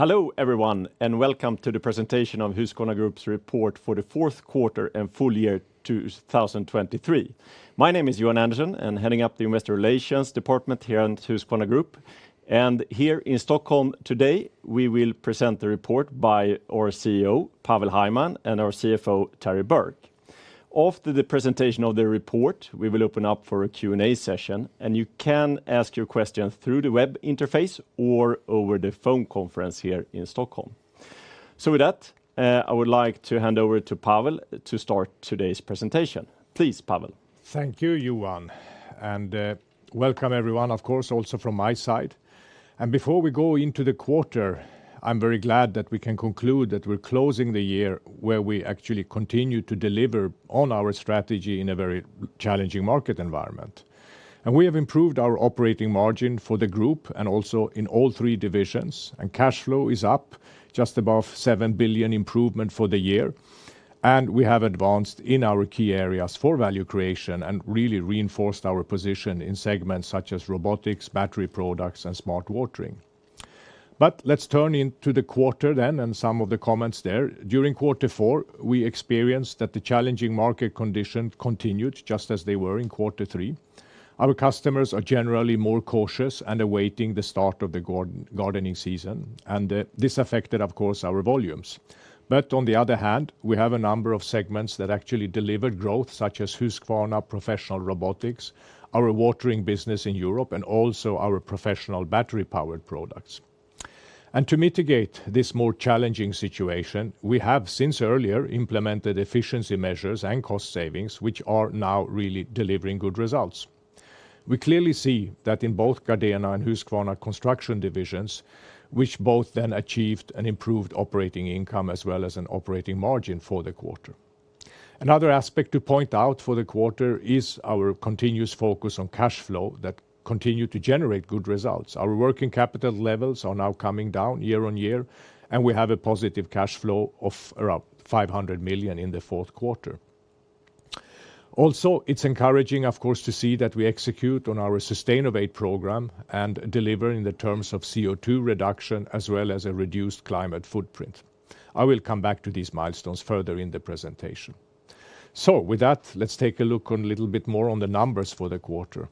Hello everyone, and welcome to the presentation of Husqvarna Group's report for the fourth quarter and full year 2023. My name is Johan Andersson, I'm heading up the Investor Relations department here at Husqvarna Group. Here in Stockholm today, we will present the report by our CEO, Pavel Hajman, and our CFO, Terry Burke. After the presentation of the report, we will open up for a Q&A session, and you can ask your question through the web interface or over the phone conference here in Stockholm. So with that, I would like to hand over to Pavel to start today's presentation. Please, Pavel. Thank you, Johan, and, welcome everyone, of course, also from my side. Before we go into the quarter, I'm very glad that we can conclude that we're closing the year where we actually continue to deliver on our strategy in a very challenging market environment. We have improved our operating margin for the group, and also in all three divisions, and cash flow is up just above 7 billion improvement for the year. We have advanced in our key areas for value creation, and really reinforced our position in segments such as robotics, battery products, and smart watering. Let's turn into the quarter then, and some of the comments there. During quarter four, we experienced that the challenging market condition continued just as they were in quarter three. Our customers are generally more cautious and awaiting the start of the gardening season, and this affected, of course, our volumes. But on the other hand, we have a number of segments that actually delivered growth, such as Husqvarna professional robotics, our watering business in Europe, and also our professional battery-powered products. And to mitigate this more challenging situation, we have, since earlier, implemented efficiency measures and cost savings, which are now really delivering good results. We clearly see that in both Gardena and Husqvarna Construction divisions, which both then achieved an improved operating income as well as an operating margin for the quarter. Another aspect to point out for the quarter is our continuous focus on cash flow that continue to generate good results. Our working capital levels are now coming down year-over-year, and we have a positive cash flow of around 500 million in the fourth quarter. Also, it's encouraging, of course, to see that we execute on our Sustainovate program and deliver in the terms of CO2 reduction, as well as a reduced climate footprint. I will come back to these milestones further in the presentation. So with that, let's take a look on a little bit more on the numbers for the quarter.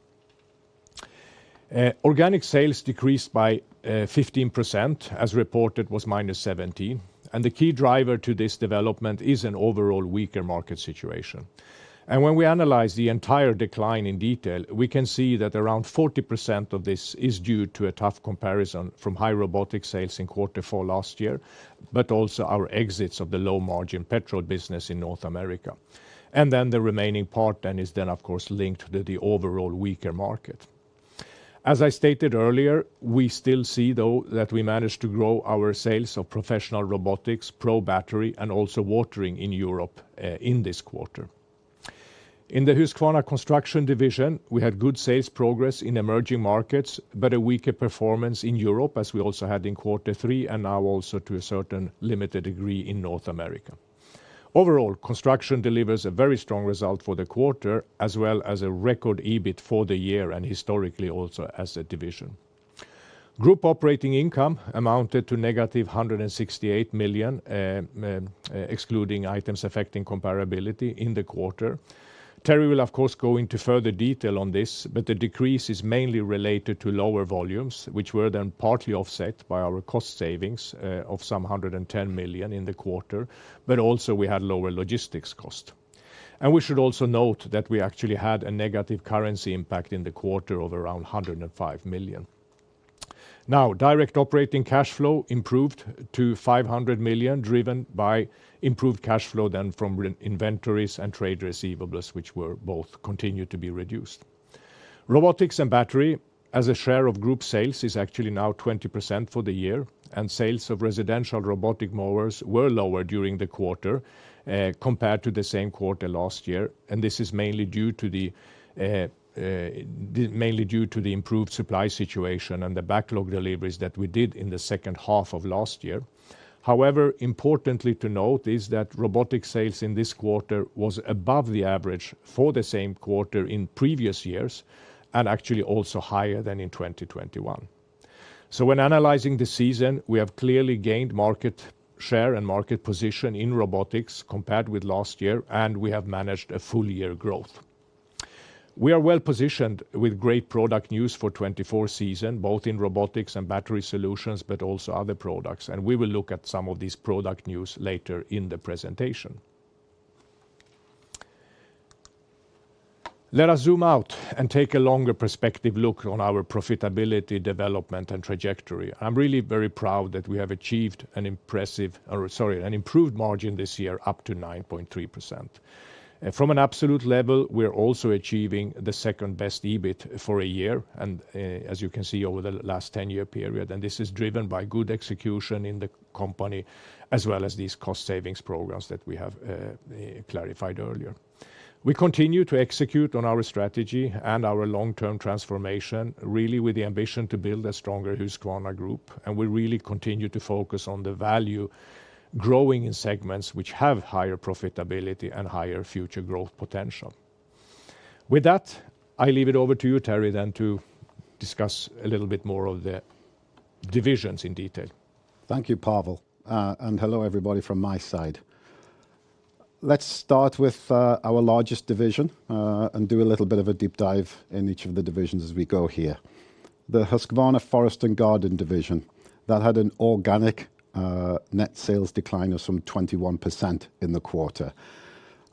Organic sales decreased by 15%, as reported was -17, and the key driver to this development is an overall weaker market situation. And when we analyze the entire decline in detail, we can see that around 40% of this is due to a tough comparison from high robotic sales in quarter four last year, but also our exits of the low-margin petrol business in North America. And then the remaining part then is then, of course, linked to the overall weaker market. As I stated earlier, we still see, though, that we managed to grow our sales of professional robotics, pro battery, and also watering in Europe, in this quarter. In the Husqvarna Construction division, we had good sales progress in emerging markets, but a weaker performance in Europe, as we also had in quarter three, and now also to a certain limited degree in North America. Overall, construction delivers a very strong result for the quarter, as well as a record EBIT for the year and historically also as a division. Group operating income amounted to negative 168 million, excluding items affecting comparability in the quarter. Terry will, of course, go into further detail on this, but the decrease is mainly related to lower volumes, which were then partly offset by our cost savings of some 110 million in the quarter, but also we had lower logistics cost. We should also note that we actually had a negative currency impact in the quarter of around 105 million. Now, direct operating cash flow improved to 500 million, driven by improved cash flow then from inventories and trade receivables, which were both continued to be reduced. Robotics and battery, as a share of group sales, is actually now 20% for the year, and sales of residential robotic mowers were lower during the quarter, compared to the same quarter last year. This is mainly due to the improved supply situation and the backlog deliveries that we did in the second half of last year. However, importantly to note is that robotic sales in this quarter was above the average for the same quarter in previous years, and actually also higher than in 2021. So when analyzing the season, we have clearly gained market share and market position in robotics compared with last year, and we have managed a full year growth. We are well-positioned with great product news for 2024 season, both in robotics and battery solutions, but also other products, and we will look at some of these product news later in the presentation. Let us zoom out and take a longer perspective look on our profitability, development, and trajectory. I'm really very proud that we have achieved an improved margin this year, up to 9.3%. From an absolute level, we're also achieving the second-best EBIT for a year, and, as you can see, over the last 10-year period, and this is driven by good execution in the company, as well as these cost savings programs that we have clarified earlier. We continue to execute on our strategy and our long-term transformation, really with the ambition to build a stronger Husqvarna Group, and we really continue to focus on the value growing in segments which have higher profitability and higher future growth potential… With that, I leave it over to you, Terry, then to discuss a little bit more of the divisions in detail. Thank you, Pavel. And hello, everybody, from my side. Let's start with our largest division and do a little bit of a deep dive in each of the divisions as we go here. The Husqvarna Forest & Garden division had an organic net sales decline of some 21% in the quarter.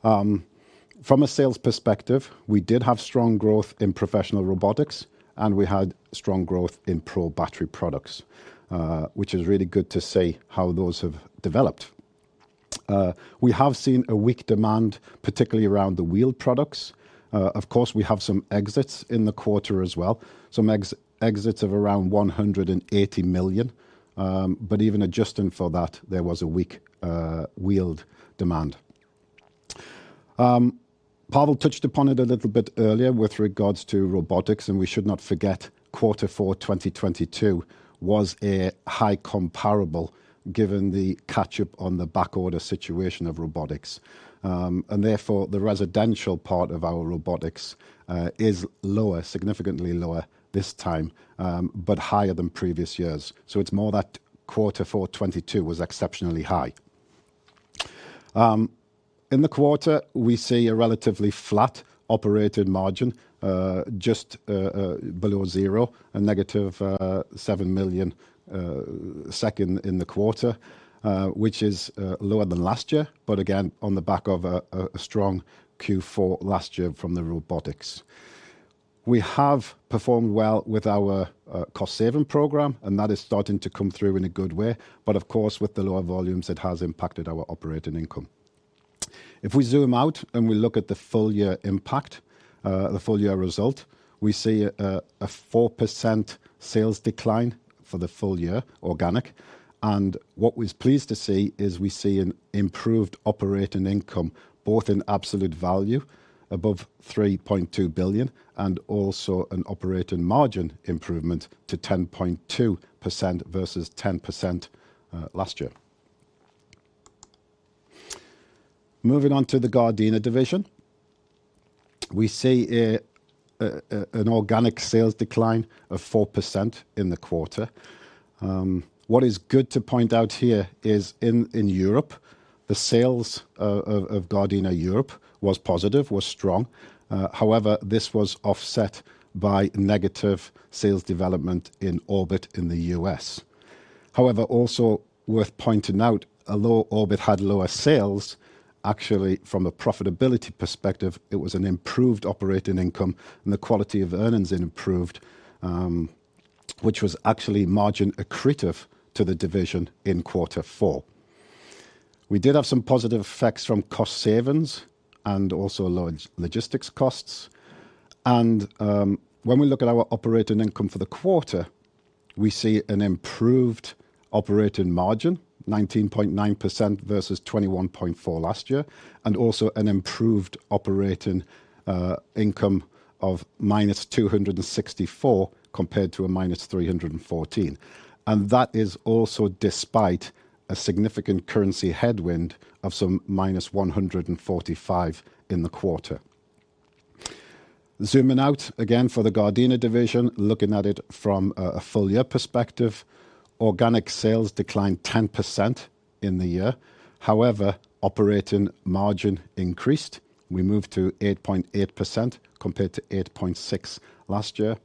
From a sales perspective, we did have strong growth in professional robotics, and we had strong growth in pro battery products, which is really good to see how those have developed. We have seen a weak demand, particularly around the wheeled products. Of course, we have some exits in the quarter as well, some exits of around 180 million. But even adjusting for that, there was a weak wheeled demand. Pavel touched upon it a little bit earlier with regards to robotics, and we should not forget quarter four 2022 was a high comparable, given the catch-up on the backorder situation of robotics. And therefore, the residential part of our robotics is lower, significantly lower this time, but higher than previous years. So it's more that quarter four 2022 was exceptionally high. In the quarter, we see a relatively flat operating margin just below zero, -7 million in the quarter, which is lower than last year, but again, on the back of a strong Q4 last year from the robotics. We have performed well with our cost-saving program, and that is starting to come through in a good way. But of course, with the lower volumes, it has impacted our operating income. If we zoom out and we look at the full year impact, the full year result, we see a 4% sales decline for the full year, organic. And what we're pleased to see is we see an improved operating income, both in absolute value, above 3.2 billion, and also an operating margin improvement to 10.2% versus 10%, last year. Moving on to the Gardena division. We see an organic sales decline of 4% in the quarter. What is good to point out here is in Europe, the sales of GARDENA Europe was positive, was strong. However, this was offset by negative sales development in Orbit in the U.S. However, also worth pointing out, although Orbit had lower sales, actually, from a profitability perspective, it was an improved operating income and the quality of earnings it improved, which was actually margin accretive to the division in quarter four. We did have some positive effects from cost savings and also low logistics costs. When we look at our operating income for the quarter, we see an improved operating margin, 19.9% versus 21.4% last year, and also an improved operating income of -264 compared to a -314. That is also despite a significant currency headwind of some -145 in the quarter. Zooming out, again for the Gardena division, looking at it from a full year perspective, organic sales declined 10% in the year. However, operating margin increased. We moved to 8.8% compared to 8.6% last year,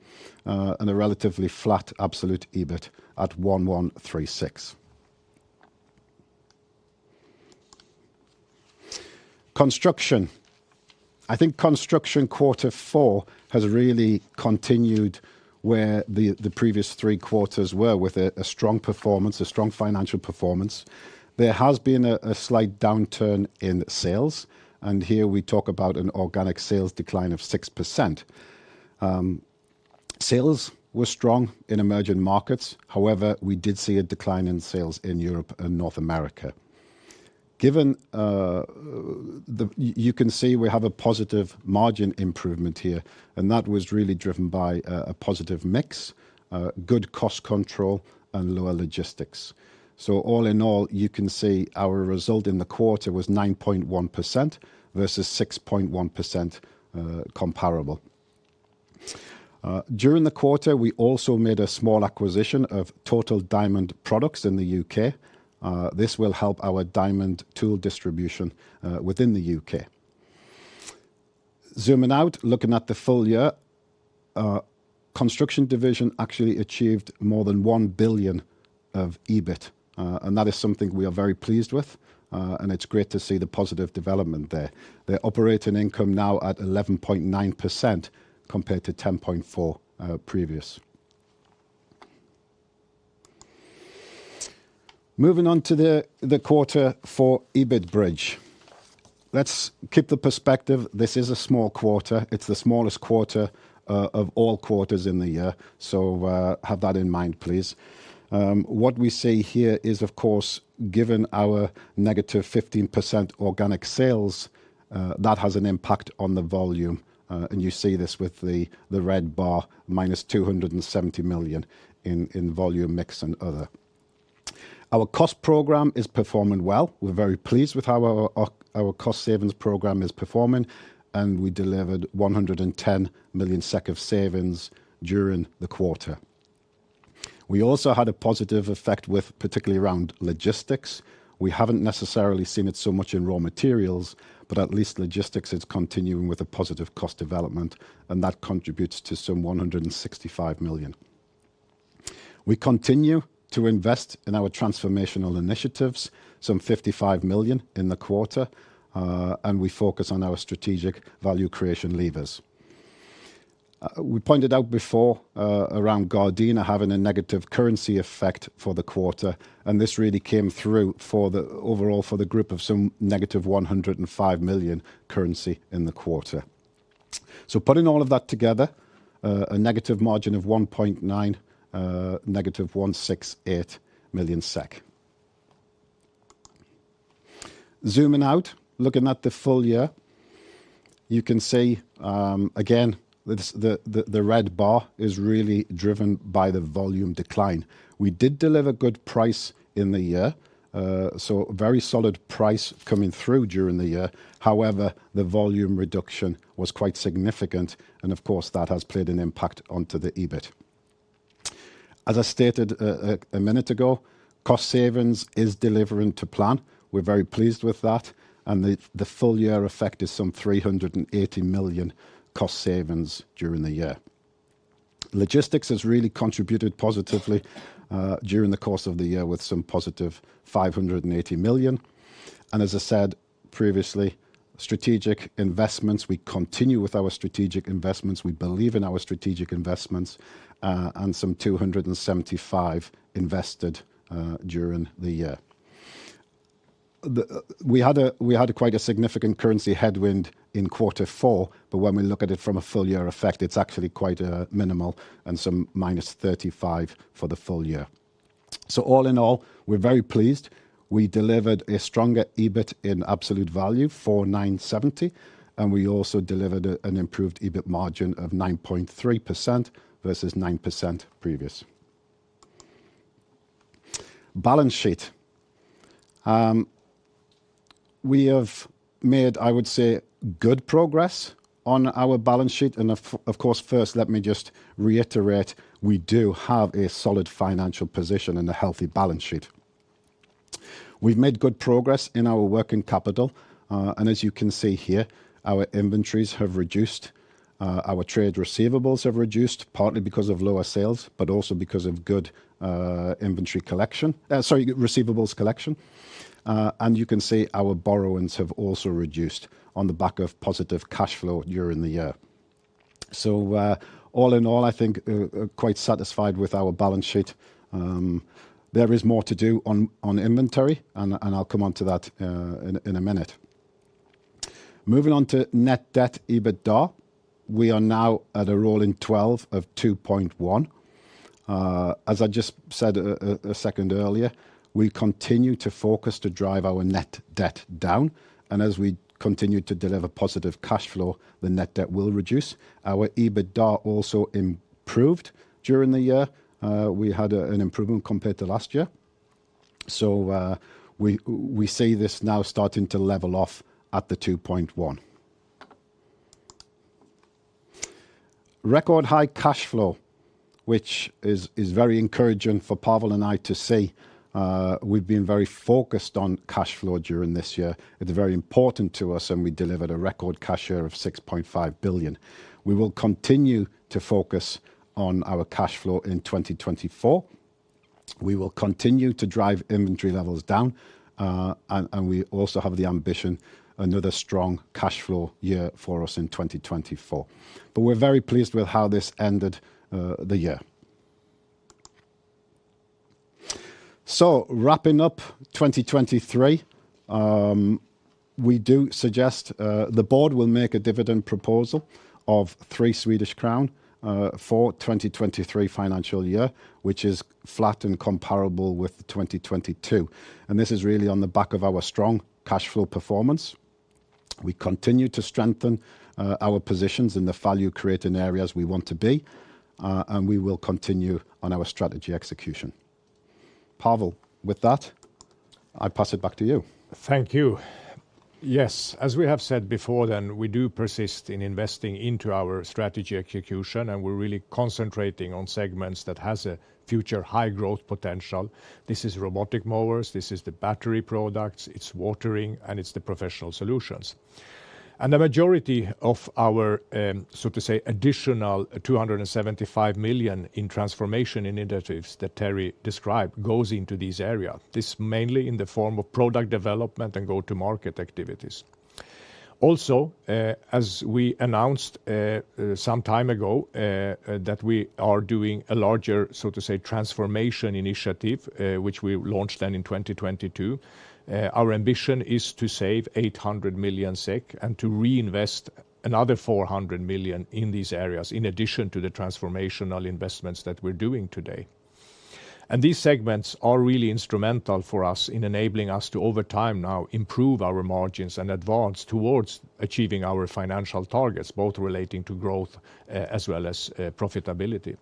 and a relatively flat absolute EBIT at 1,136. Construction. I think Construction quarter four has really continued where the previous three quarters were, with a strong performance, a strong financial performance. There has been a slight downturn in sales, and here we talk about an organic sales decline of 6%. Sales were strong in emerging markets. However, we did see a decline in sales in Europe and North America. Given, you can see we have a positive margin improvement here, and that was really driven by a positive mix, a good cost control, and lower logistics. So all in all, you can see our result in the quarter was 9.1% versus 6.1% comparable. During the quarter, we also made a small acquisition of Total Diamond Products in the U.K. This will help our diamond tool distribution within the U.K. Zooming out, looking at the full year, Construction Division actually achieved more than 1 billion of EBIT, and that is something we are very pleased with, and it's great to see the positive development there. Their operating income now at 11.9% compared to 10.4%, previous. Moving on to the quarter four EBIT bridge. Let's keep the perspective. This is a small quarter. It's the smallest quarter of all quarters in the year, so have that in mind, please. What we see here is, of course, given our negative 15% organic sales, that has an impact on the volume, and you see this with the red bar, -270 million in volume, mix and other. Our cost program is performing well. We're very pleased with how our cost savings program is performing, and we delivered 110 million SEK of savings during the quarter. We also had a positive effect, particularly around logistics. We haven't necessarily seen it so much in raw materials, but at least logistics is continuing with a positive cost development, and that contributes to some 165 million. We continue to invest in our transformational initiatives, some 55 million in the quarter, and we focus on our strategic value creation levers. We pointed out before, around GARDENA having a negative currency effect for the quarter, and this really came through for the overall for the group of some negative 105 million currency in the quarter. So putting all of that together, a negative margin of 1.9%, negative SEK 168 million. Zooming out, looking at the full year, you can see, again, the red bar is really driven by the volume decline. We did deliver good price in the year, so very solid price coming through during the year. However, the volume reduction was quite significant, and of course, that has played an impact onto the EBIT. As I stated, a minute ago, cost savings is delivering to plan. We're very pleased with that, and the full year effect is some 380 million cost savings during the year. Logistics has really contributed positively during the course of the year with some positive SEK 580 million. And as I said previously, strategic investments, we continue with our strategic investments. We believe in our strategic investments, and some SEK 275 invested during the year. We had quite a significant currency headwind in quarter four, but when we look at it from a full year effect, it's actually quite minimal and some -35 for the full year. So all in all, we're very pleased. We delivered a stronger EBIT in absolute value, 497, and we also delivered an improved EBIT margin of 9.3% versus 9% previous. Balance sheet. We have made, I would say, good progress on our balance sheet, and of course, first, let me just reiterate, we do have a solid financial position and a healthy balance sheet. We've made good progress in our working capital, and as you can see here, our inventories have reduced, our trade receivables have reduced, partly because of lower sales, but also because of good inventory collection. Sorry, receivables collection. And you can see our borrowings have also reduced on the back of positive cash flow during the year. So, all in all, I think quite satisfied with our balance sheet. There is more to do on inventory, and I'll come onto that in a minute. Moving on to Net Debt/EBITDA. We are now at a rolling twelve of 2.1. As I just said a second earlier, we continue to focus to drive our net debt down, and as we continue to deliver positive cash flow, the net debt will reduce. Our EBITDA also improved during the year. We had an improvement compared to last year. So, we see this now starting to level off at the 2.1. Record high cash flow, which is very encouraging for Pavel and I to see. We've been very focused on cash flow during this year. It's very important to us, and we delivered a record cash year of 6.5 billion. We will continue to focus on our cash flow in 2024. We will continue to drive inventory levels down, and we also have the ambition, another strong cash flow year for us in 2024. We're very pleased with how this ended the year. Wrapping up 2023, we do suggest the board will make a dividend proposal of 3 Swedish crown for 2023 financial year, which is flat and comparable with 2022. This is really on the back of our strong cash flow performance. We continue to strengthen our positions in the value-creating areas we want to be, and we will continue on our strategy execution. Pavel, with that, I pass it back to you. Thank you. Yes, as we have said before then, we do persist in investing into our strategy execution, and we're really concentrating on segments that has a future high growth potential. This is robotic mowers, this is the battery products, it's watering, and it's the professional solutions. And the majority of our, so to say, additional 275 million in transformation initiatives that Terry described, goes into this area. This mainly in the form of product development and go-to-market activities. Also, as we announced, some time ago, that we are doing a larger, so to say, transformation initiative, which we launched then in 2022. Our ambition is to save 800 million SEK and to reinvest another 400 million in these areas, in addition to the transformational investments that we're doing today. These segments are really instrumental for us in enabling us to, over time now, improve our margins and advance towards achieving our financial targets, both relating to growth, as well as, profitability.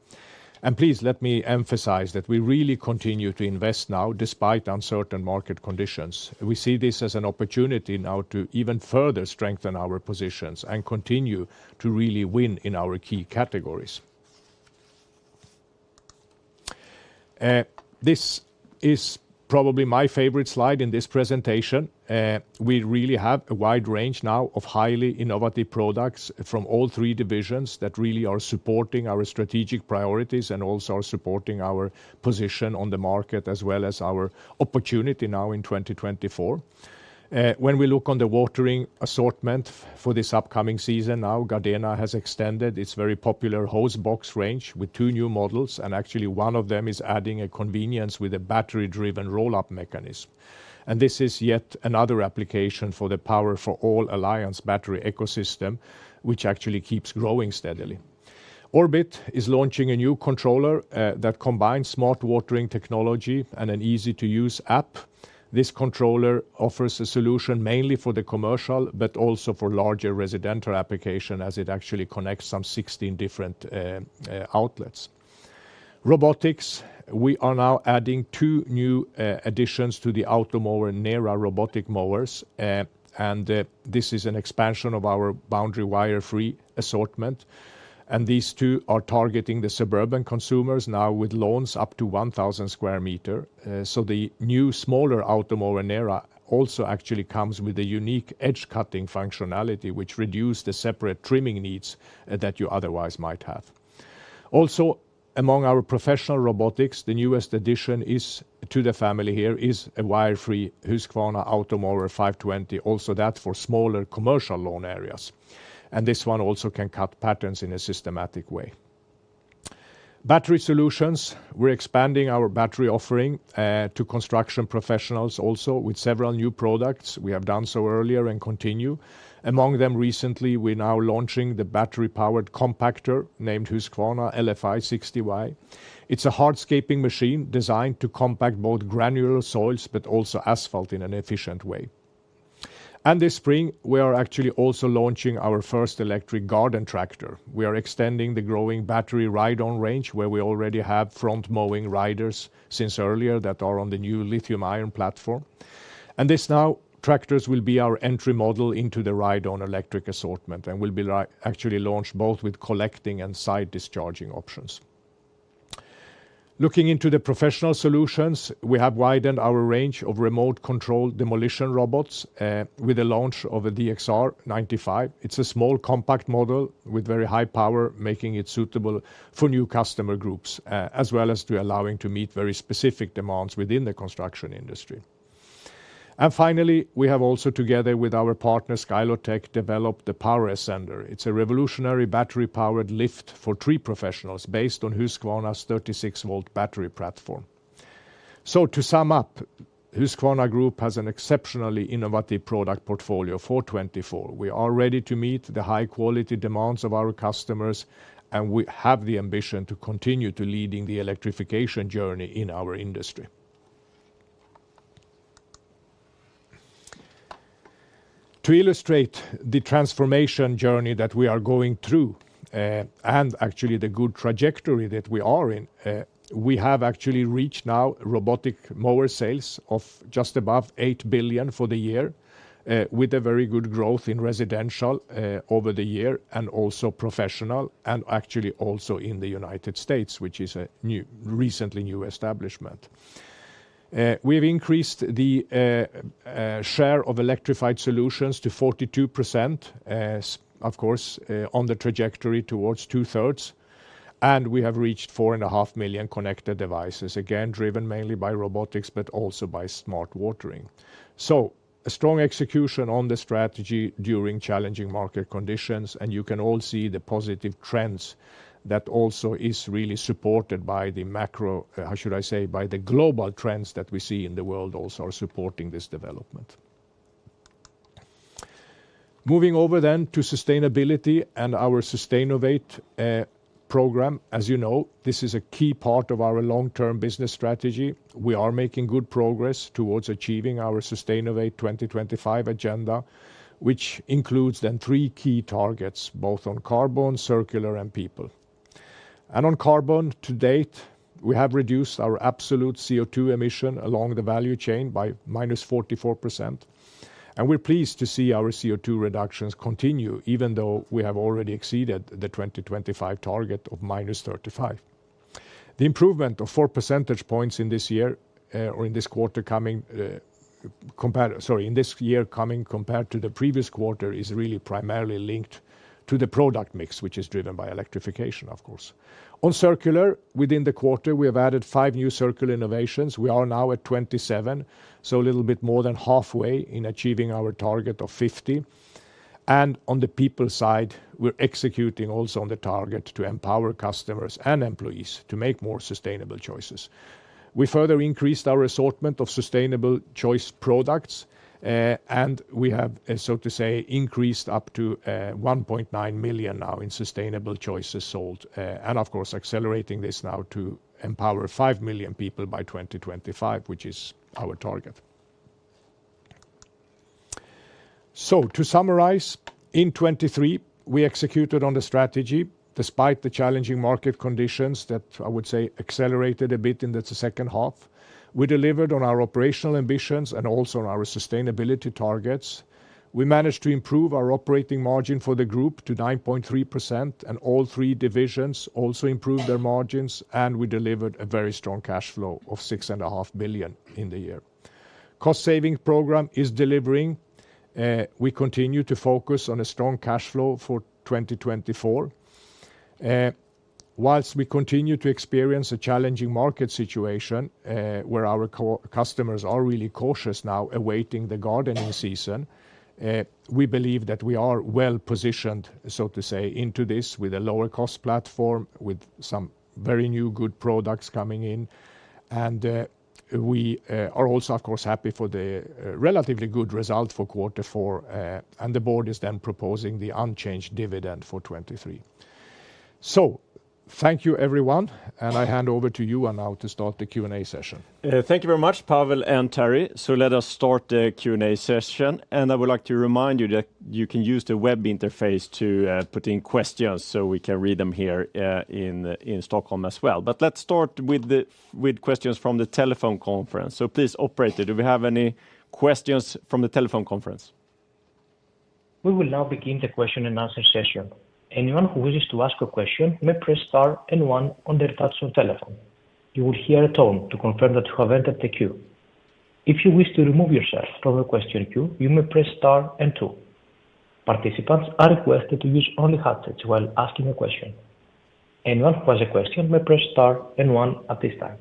And please let me emphasize that we really continue to invest now despite uncertain market conditions. We see this as an opportunity now to even further strengthen our positions and continue to really win in our key categories. This is probably my favorite slide in this presentation. We really have a wide range now of highly innovative products from all three divisions that really are supporting our strategic priorities and also are supporting our position on the market, as well as our opportunity now in 2024. When we look on the watering assortment for this upcoming season, now GARDENA has extended its very popular hose box range with two new models, and actually one of them is adding a convenience with a battery-driven roll-up mechanism. And this is yet another application for the Power for All Alliance battery ecosystem, which actually keeps growing steadily. Orbit is launching a new controller that combines smart watering technology and an easy-to-use app. This controller offers a solution mainly for the commercial, but also for larger residential application as it actually connects some 16 different outlets. Robotics, we are now adding two new additions to the Automower NERA robotic mowers, and this is an expansion of our boundary wire-free assortment. And these two are targeting the suburban consumers now with lawns up to 1,000 sq m. So the new smaller Automower NERA also actually comes with a unique edge-cutting functionality, which reduce the separate trimming needs that you otherwise might have. Also, among our professional robotics, the newest addition is to the family here is a wire-free Husqvarna Automower 520, also that for smaller commercial lawn areas, and this one also can cut patterns in a systematic way. Battery solutions, we're expanding our battery offering to construction professionals also with several new products. We have done so earlier and continue. Among them recently, we're now launching the battery-powered compactor named Husqvarna LF 60i. It's a hardscaping machine designed to compact both granular soils, but also asphalt in an efficient way. And this spring, we are actually also launching our first electric garden tractor. We are extending the growing battery ride-on range, where we already have front-mowing riders since earlier that are on the new lithium-ion platform. And this now, tractors will be our entry model into the ride-on electric assortment and will be actually launched both with collecting and side-discharging options. Looking into the professional solutions, we have widened our range of remote-controlled demolition robots with the launch of a DXR 95. It's a small, compact model with very high power, making it suitable for new customer groups, as well as to allowing to meet very specific demands within the construction industry. And finally, we have also, together with our partner, SKYLOTEC, developed the Power Ascender. It's a revolutionary battery-powered lift for tree professionals based on Husqvarna's 36-volt battery platform. So to sum up, Husqvarna Group has an exceptionally innovative product portfolio for 2024. We are ready to meet the high-quality demands of our customers, and we have the ambition to continue to leading the electrification journey in our industry. To illustrate the transformation journey that we are going through, and actually the good trajectory that we are in, we have actually reached now robotic mower sales of just above 8 billion for the year, with a very good growth in residential, over the year, and also professional, and actually also in the United States, which is a new, recently new establishment. We've increased the share of electrified solutions to 42%, as of course, on the trajectory towards two-thirds, and we have reached 4.5 million connected devices, again, driven mainly by robotics, but also by smart watering. So a strong execution on the strategy during challenging market conditions, and you can all see the positive trends that also is really supported by the macro—how should I say, by the global trends that we see in the world also are supporting this development. Moving over then to sustainability and our Sustainovate program. As you know, this is a key part of our long-term business strategy. We are making good progress towards achieving our Sustainovate 2025 agenda, which includes then three key targets, both on carbon, circular, and people. And on carbon, to date, we have reduced our absolute CO2 emission along the value chain by -44%, and we're pleased to see our CO2 reductions continue, even though we have already exceeded the 2025 target of -35%. The improvement of four percentage points in this year, or in this quarter coming, in this year coming compared to the previous quarter, is really primarily linked to the product mix, which is driven by electrification, of course. On circular, within the quarter, we have added five new circular innovations. We are now at 27, so a little bit more than halfway in achieving our target of 50. And on the people side, we're executing also on the target to empower customers and employees to make more sustainable choices. We further increased our assortment of sustainable choice products, and we have, so to say, increased up to 1.9 million now in sustainable choices sold, and of course, accelerating this now to empower 5 million people by 2025, which is our target. To summarize, in 2023, we executed on the strategy despite the challenging market conditions that, I would say, accelerated a bit in the second half. We delivered on our operational ambitions and also on our sustainability targets. We managed to improve our operating margin for the group to 9.3%, and all three divisions also improved their margins, and we delivered a very strong cash flow of 6.5 billion in the year. Cost saving program is delivering, we continue to focus on a strong cash flow for 2024. While we continue to experience a challenging market situation, where our customers are really cautious now awaiting the gardening season, we believe that we are well-positioned, so to say, into this with a lower-cost platform, with some very new good products coming in. And we are also, of course, happy for the relatively good result for Quarter Four, and the board is then proposing the unchanged dividend for 2023. So thank you, everyone, and I hand over to you, and now to start the Q&A session. Thank you very much, Pavel and Terry. So let us start the Q&A session, and I would like to remind you that you can use the web interface to put in questions, so we can read them here in Stockholm as well. But let's start with questions from the telephone conference. So please, operator, do we have any questions from the telephone conference? We will now begin the question and answer session. Anyone who wishes to ask a question may press star and one on their touch-tone telephone. You will hear a tone to confirm that you have entered the queue. If you wish to remove yourself from the question queue, you may press star and two. Participants are requested to use only headsets while asking a question. Anyone who has a question may press star and one at this time.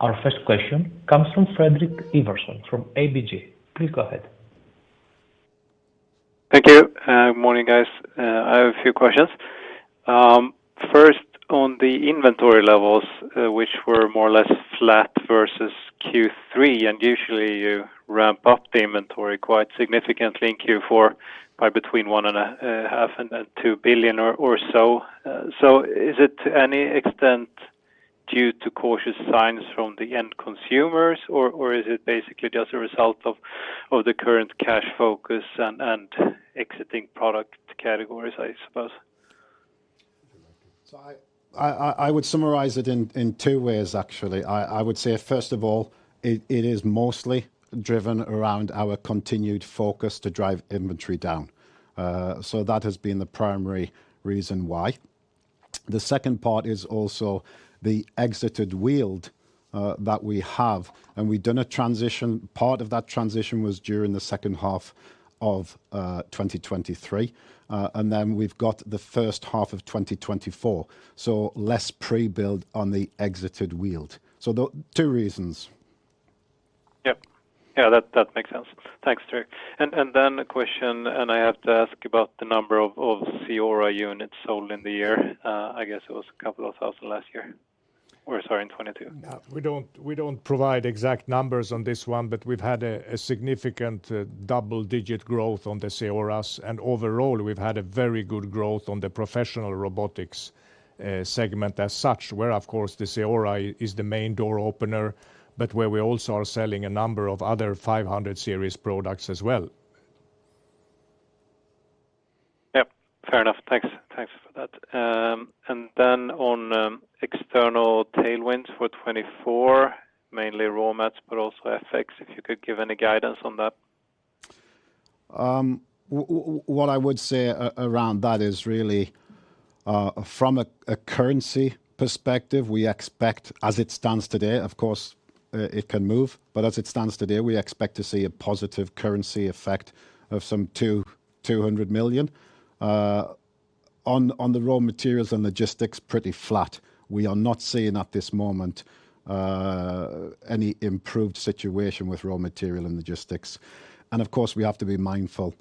Our first question comes from Fredrik Ivarsson, from ABG. Please go ahead. Thank you, and good morning, guys. I have a few questions. First, on the inventory levels, which were more or less flat versus Q3, and usually you ramp up the inventory quite significantly in Q4 by between 1.5 billion and 2 billion or so. So is it to any extent due to cautious signs from the end consumers, or is it basically just a result of the current cash focus and exiting product categories, I suppose? So I would summarize it in two ways, actually. I would say, first of all, it is mostly driven around our continued focus to drive inventory down. So that has been the primary reason why. The second part is also the exited wheeled, that we have, and we've done a transition. Part of that transition was during the second half of 2023, and then we've got the first half of 2024, so less pre-build on the exited wheeled. So the two reasons. Yep. Yeah, that makes sense. Thanks, Terry. And then a question, I have to ask about the number of CEORA units sold in the year. I guess it was a couple of thousand last year, or sorry, in 2022. Yeah, we don't, we don't provide exact numbers on this one, but we've had a significant double-digit growth on the CEORAs, and overall, we've had a very good growth on the professional robotics segment as such, where, of course, the CEORA is the main door opener, but where we also are selling a number of other 500 series products as well. Yep, fair enough. Thanks. Thanks for that. And then on external tailwinds for 2024, mainly raw mats, but also FX, if you could give any guidance on that. What I would say around that is really, from a currency perspective, we expect as it stands today, of course, it can move, but as it stands today, we expect to see a positive currency effect of some 200 million. On the raw materials and logistics, pretty flat. We are not seeing at this moment, any improved situation with raw material and logistics. And of course, we have to be mindful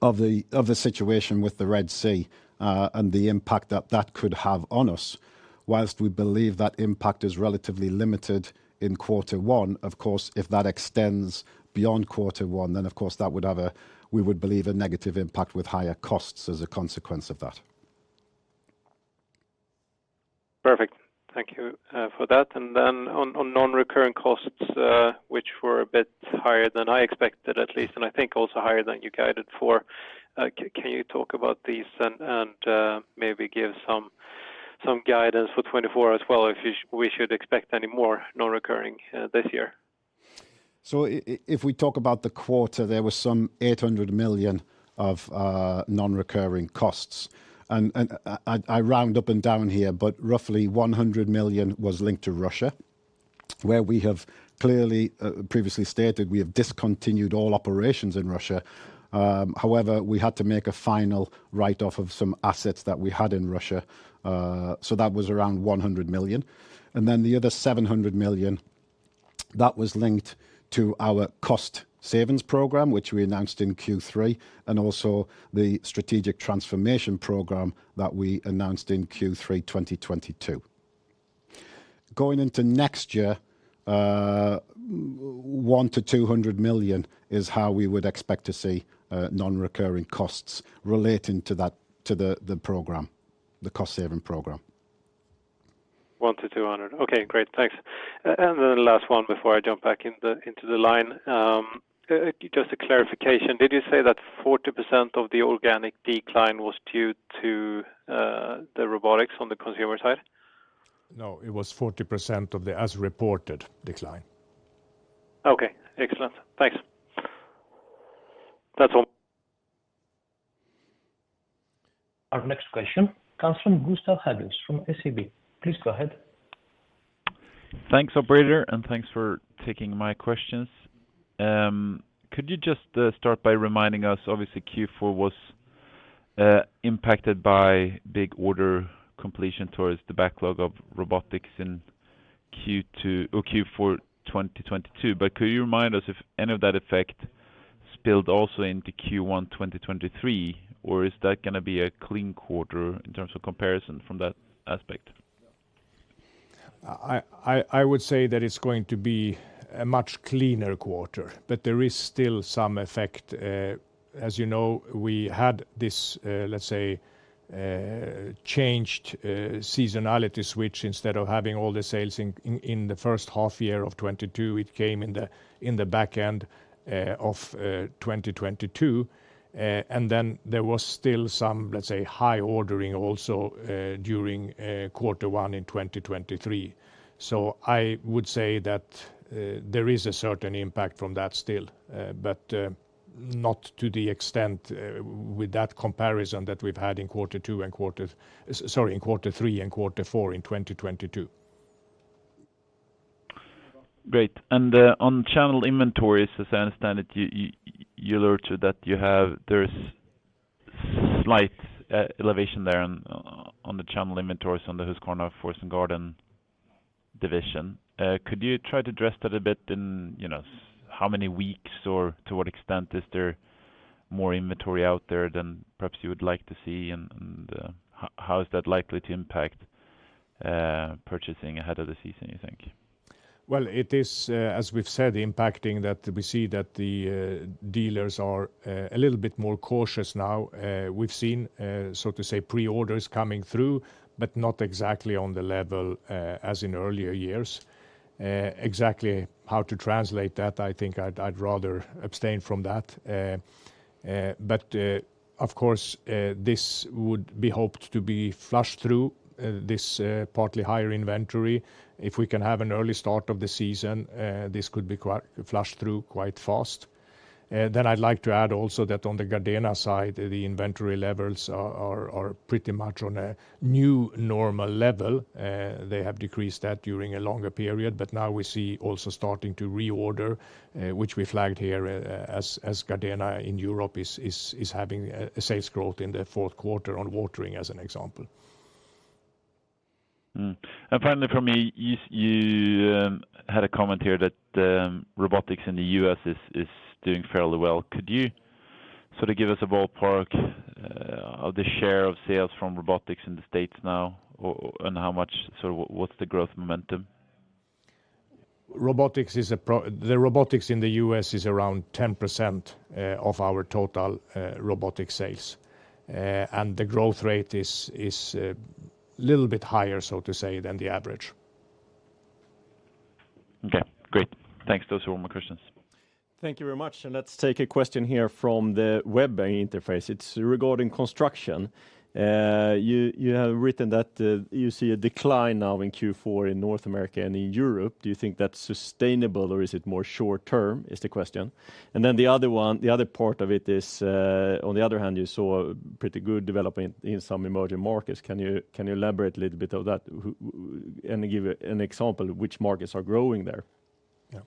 of the situation with the Red Sea, and the impact that that could have on us. While we believe that impact is relatively limited in quarter one, of course, if that extends beyond quarter one, then, of course, that would have a... We would believe a negative impact with higher costs as a consequence of that. Perfect. Thank you for that. Then on non-recurring costs, which were a bit higher than I expected, at least, and I think also higher than you guided for, can you talk about these and maybe give some guidance for 2024 as well, if we should expect any more non-recurring this year? So if we talk about the quarter, there was some 800 million of non-recurring costs, and I round up and down here, but roughly 100 million was linked to Russia, where we have clearly previously stated we have discontinued all operations in Russia. However, we had to make a final write-off of some assets that we had in Russia, so that was around 100 million. And then the other 700 million, that was linked to our cost savings program, which we announced in Q3, and also the strategic transformation program that we announced in Q3 2022. Going into next year, 100-200 million is how we would expect to see non-recurring costs relating to that to the program, the cost-saving program.... 100-200. Okay, great. Thanks. And then the last one before I jump back in the, into the line, just a clarification: did you say that 40% of the organic decline was due to the robotics on the consumer side? No, it was 40% of the as-reported decline. Okay, excellent. Thanks. That's all. Our next question comes from Gustav Hagéus from SEB. Please go ahead. Thanks, operator, and thanks for taking my questions. Could you just start by reminding us, obviously, Q4 was impacted by big order completion towards the backlog of robotics in Q2—or Q4 2022. But could you remind us if any of that effect spilled also into Q1 2023? Or is that gonna be a clean quarter in terms of comparison from that aspect? I would say that it's going to be a much cleaner quarter, but there is still some effect. As you know, we had this, let's say, changed seasonality switch. Instead of having all the sales in the first half year of 2022, it came in the back end of 2022. And then there was still some, let's say, high ordering also during quarter one in 2023. So I would say that there is a certain impact from that still, but not to the extent with that comparison that we've had in quarter two and quarter - sorry, in quarter three and quarter four in 2022. Great. On channel inventories, as I understand it, you alerted that there is slight elevation there on the channel inventories on the Husqvarna Forest & Garden division. Could you try to address that a bit, you know, in how many weeks or to what extent is there more inventory out there than perhaps you would like to see? And how is that likely to impact purchasing ahead of the season, you think? Well, it is, as we've said, impacting that we see that the dealers are a little bit more cautious now. We've seen, so to say, pre-orders coming through, but not exactly on the level as in earlier years. Exactly how to translate that, I think I'd rather abstain from that. But, of course, this would be hoped to be flushed through this partly higher inventory. If we can have an early start of the season, this could be flushed through quite fast. Then I'd like to add also that on the GARDENA side, the inventory levels are pretty much on a new normal level. They have decreased that during a longer period, but now we see also starting to reorder, which we flagged here, as GARDENA in Europe is having a sales growth in the fourth quarter on watering, as an example. Finally, for me, you had a comment here that robotics in the U.S. is doing fairly well. Could you sort of give us a ballpark of the share of sales from robotics in the States now, or and how much, so what's the growth momentum? The robotics in the US is around 10% of our total robotics sales. The growth rate is little bit higher, so to say, than the average. Okay, great. Thanks. Those were all my questions. Thank you very much, and let's take a question here from the web interface. It's regarding construction. You have written that you see a decline now in Q4 in North America and in Europe. Do you think that's sustainable, or is it more short-term, is the question? And then the other one, the other part of it is, on the other hand, you saw a pretty good development in some emerging markets. Can you elaborate a little bit on that and give an example of which markets are growing there? Yeah.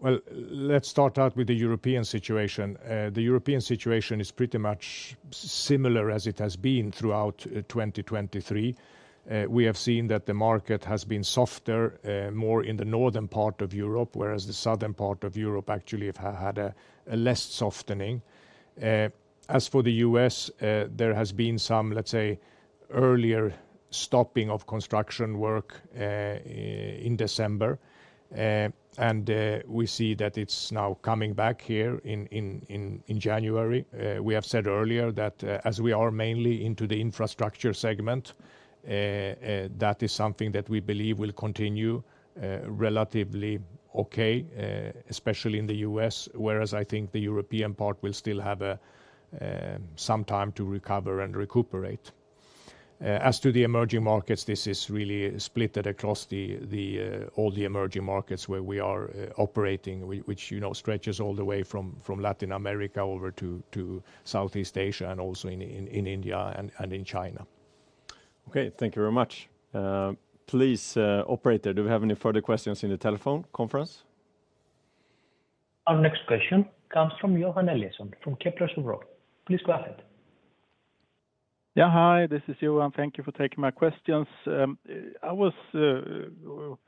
Well, let's start out with the European situation. The European situation is pretty much similar as it has been throughout 2023. We have seen that the market has been softer more in the northern part of Europe, whereas the southern part of Europe actually have had a less softening. As for the U.S., there has been some, let's say, earlier stopping of construction work in December. And we see that it's now coming back here in January. We have said earlier that as we are mainly into the infrastructure segment that is something that we believe will continue relatively okay especially in the U.S. Whereas I think the European part will still have some time to recover and recuperate. As to the emerging markets, this is really split across all the emerging markets where we are operating, which, you know, stretches all the way from Latin America over to Southeast Asia and also in India and in China. Okay, thank you very much. Please, operator, do we have any further questions in the telephone conference? Our next question comes from Johan Eliason from Kepler Cheuvreux. Please go ahead. Yeah, hi, this is Johan. Thank you for taking my questions. I was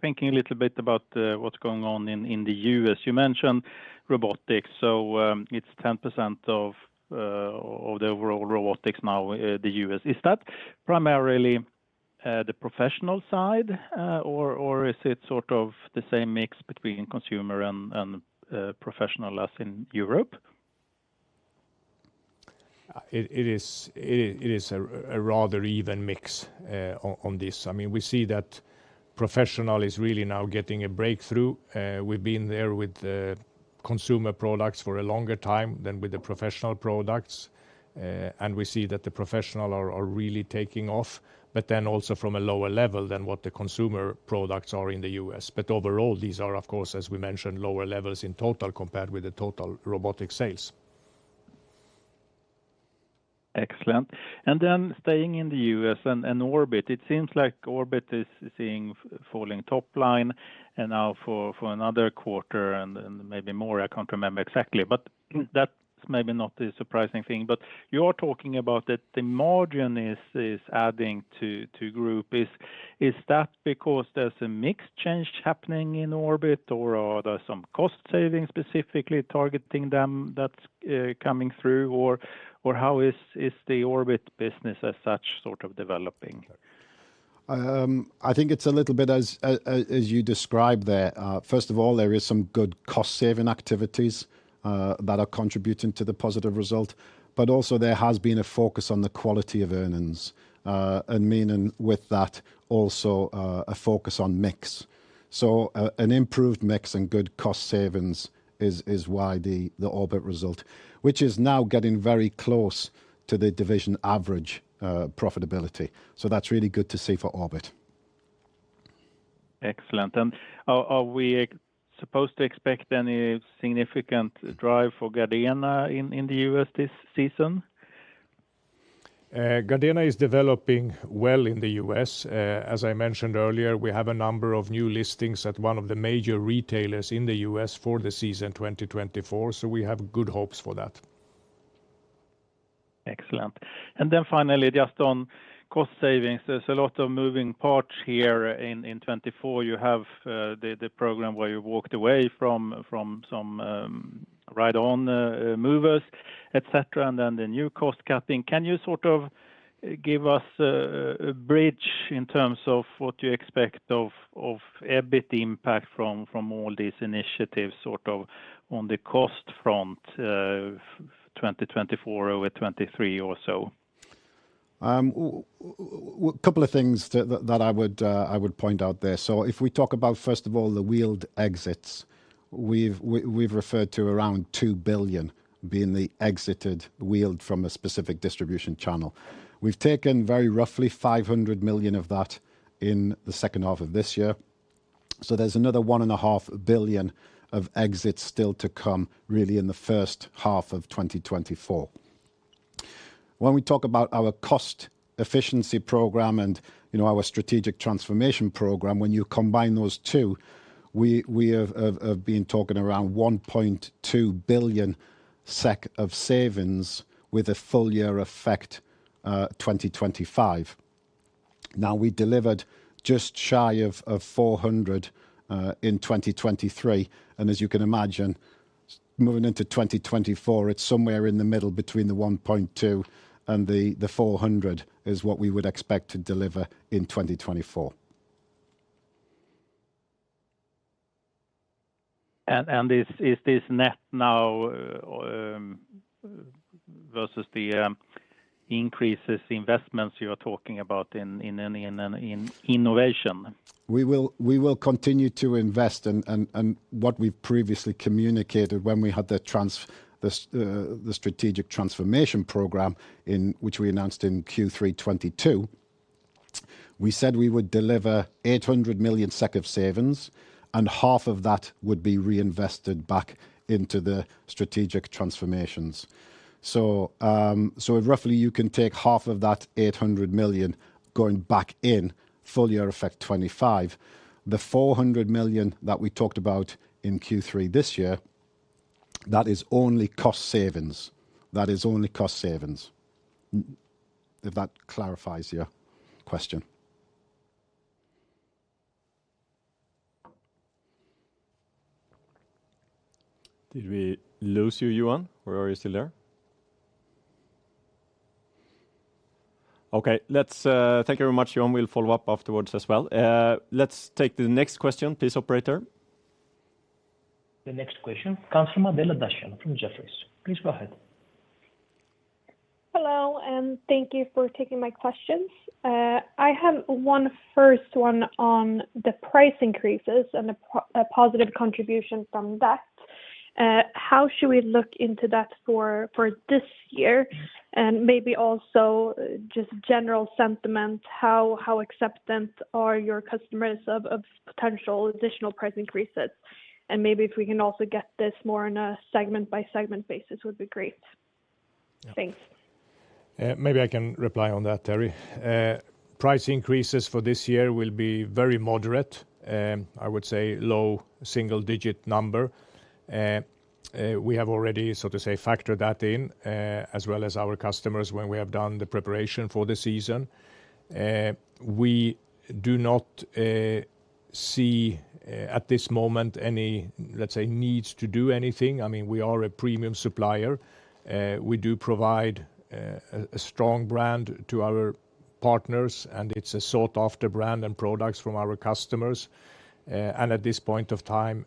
thinking a little bit about what's going on in the U.S. You mentioned robotics, so, it's 10% of the overall robotics now, the U.S. Is that primarily the professional side, or is it sort of the same mix between consumer and professional as in Europe? ... It is a rather even mix on this. I mean, we see that professional is really now getting a breakthrough. We've been there with the consumer products for a longer time than with the professional products. And we see that the professional are really taking off, but then also from a lower level than what the consumer products are in the US. But overall, these are, of course, as we mentioned, lower levels in total compared with the total robotic sales. Excellent. And then staying in the U.S. and Orbit, it seems like Orbit is seeing falling top line, and now for another quarter and maybe more, I can't remember exactly. But that's maybe not the surprising thing. But you're talking about that the margin is adding to group. Is that because there's a mix change happening in Orbit, or are there some cost savings specifically targeting them that's coming through? Or how is the Orbit business as such sort of developing? I think it's a little bit as you described there. First of all, there is some good cost-saving activities that are contributing to the positive result, but also there has been a focus on the quality of earnings. And meaning with that, also, a focus on mix. So, an improved mix and good cost savings is why the Orbit result, which is now getting very close to the division average, profitability. So that's really good to see for Orbit. Excellent. Are we supposed to expect any significant drive for GARDENA in the U.S. this season? GARDENA is developing well in the U.S. As I mentioned earlier, we have a number of new listings at one of the major retailers in the U.S. for the season 2024, so we have good hopes for that. Excellent. And then finally, just on cost savings, there's a lot of moving parts here in 2024. You have the program where you walked away from some ride-on mowers, et cetera, and then the new cost cutting. Can you sort of give us a bridge in terms of what you expect of EBIT impact from all these initiatives, sort of, on the cost front, 2024 over 2023 or so? Couple of things that I would point out there. So if we talk about, first of all, the wheeled exits, we've referred to around 2 billion being the exited wheeled from a specific distribution channel. We've taken very roughly 500 million of that in the second half of this year, so there's another 1.5 billion of exits still to come, really in the first half of 2024. When we talk about our cost efficiency program and, you know, our strategic transformation program, when you combine those two, we have been talking around 1.2 billion SEK of savings with a full year effect, 2025. Now, we delivered just shy of 400 in 2023, and as you can imagine, moving into 2024, it's somewhere in the middle between the 1.2 and the 400, is what we would expect to deliver in 2024. Is this net now versus the increasing investments you are talking about in innovation? We will continue to invest, and what we've previously communicated when we had the strategic transformation program, in which we announced in Q3 2022, we said we would deliver 800 million SEK of savings, and half of that would be reinvested back into the strategic transformations. So roughly you can take half of that 800 million going back in full year effect 2025. The 400 million that we talked about in Q3 this year, that is only cost savings. That is only cost savings. If that clarifies your question. Did we lose you, Johan, or are you still there? Okay, let's... Thank you very much, Johan. We'll follow up afterwards as well. Let's take the next question. Please, operator. The next question comes from Adela Dashian from Jefferies. Please go ahead. Hello, and thank you for taking my questions. I have one first one on the price increases and the positive contribution from that. How should we look into that for this year? And maybe also just general sentiment, how acceptant are your customers of potential additional price increases? And maybe if we can also get this more on a segment-by-segment basis, would be great. Yeah. Thanks. Maybe I can reply on that, Terry. Price increases for this year will be very moderate, I would say low single-digit number. We have already, so to say, factored that in, as well as our customers, when we have done the preparation for the season. We do not see, at this moment, any, let's say, needs to do anything. I mean, we are a premium supplier. We do provide a strong brand to our partners, and it's a sought after brand and products from our customers. And at this point of time,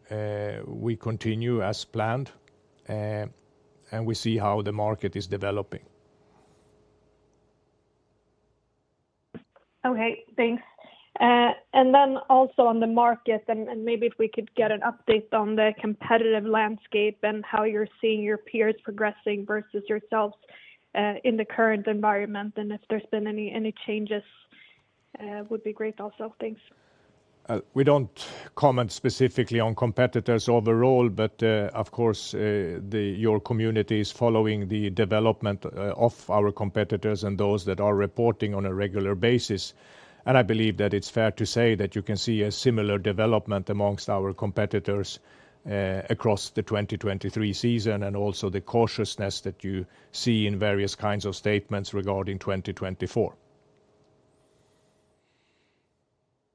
we continue as planned, and we see how the market is developing. Okay, thanks. And then also on the market, and maybe if we could get an update on the competitive landscape, and how you're seeing your peers progressing versus yourselves, in the current environment, and if there's been any changes, would be great also. Thanks. We don't comment specifically on competitors overall, but, of course, your community is following the development of our competitors and those that are reporting on a regular basis. And I believe that it's fair to say that you can see a similar development among our competitors across the 2023 season, and also the cautiousness that you see in various kinds of statements regarding 2024.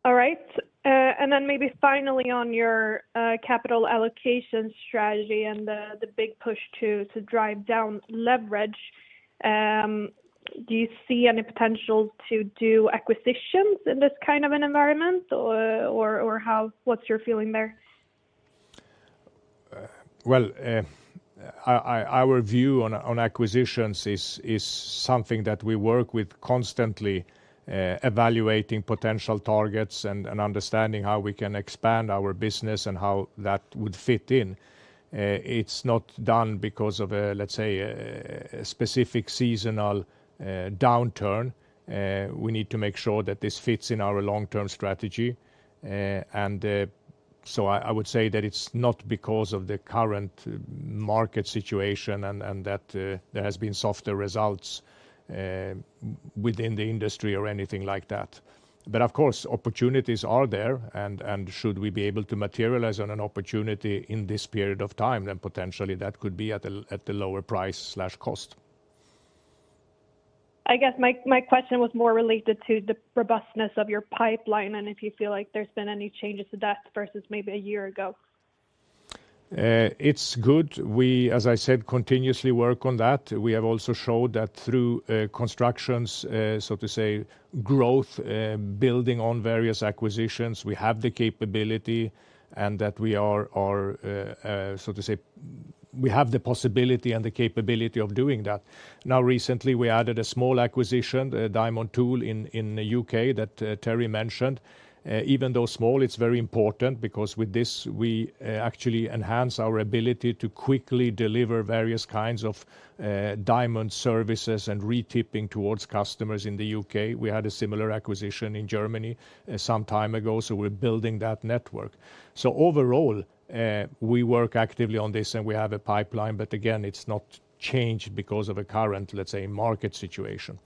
All right. And then maybe finally, on your capital allocation strategy and the big push to drive down leverage, do you see any potential to do acquisitions in this kind of an environment, or what's your feeling there? Well, our view on acquisitions is something that we work with constantly, evaluating potential targets and understanding how we can expand our business and how that would fit in. It's not done because of, let's say, a specific seasonal downturn. We need to make sure that this fits in our long-term strategy. So I would say that it's not because of the current market situation, and that there has been softer results within the industry or anything like that. But of course, opportunities are there, and should we be able to materialize on an opportunity in this period of time, then potentially that could be at a lower price slash cost. I guess my question was more related to the robustness of your pipeline, and if you feel like there's been any changes to that versus maybe a year ago. It's good. We, as I said, continuously work on that. We have also showed that through constructions, so to say, growth, building on various acquisitions, we have the capability, and that we are, so to say, we have the possibility and the capability of doing that. Now, recently, we added a small acquisition, a diamond tool in the U.K., that Terry mentioned. Even though small, it's very important, because with this, we actually enhance our ability to quickly deliver various kinds of diamond services and re-tipping towards customers in the U.K. We had a similar acquisition in Germany some time ago, so we're building that network. So overall, we work actively on this, and we have a pipeline, but again, it's not changed because of a current, let's say, market situation.